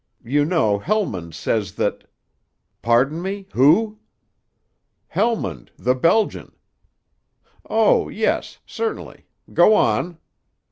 You know, Helmund says that—" "Pardon me, who?" "Helmund, the Belgian." "Oh, yes, certainly. Go on!"